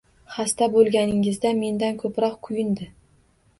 Xasta bo'lganingizda mendan ko'proq kuyundi.